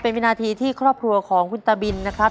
เป็นวินาทีที่ครอบครัวของคุณตาบินนะครับ